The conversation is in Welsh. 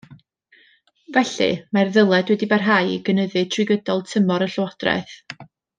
Felly mae'r ddyled wedi parhau i gynyddu trwy gydol tymor y llywodraeth.